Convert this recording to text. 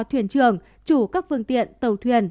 thuyền trường chủ các phương tiện tàu thuyền